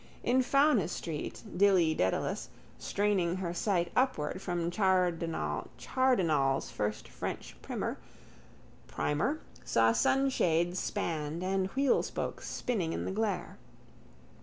In Fownes's street Dilly Dedalus, straining her sight upward from Chardenal's first French primer, saw sunshades spanned and wheelspokes spinning in the glare.